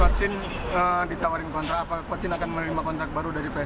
coach sinta young ditawarkan kontrak atau coach sinta akan menerima kontrak baru dari pssi